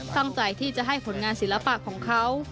ตั้งใจที่จะให้ผลงานศิลปะของเขา